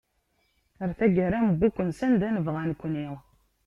Ɣer tagara newwi-ken sanda nebɣa nekni.